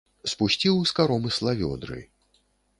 Спусціў з каромысла вёдры.